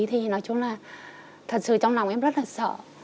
thật sự trong lòng em rất là sợ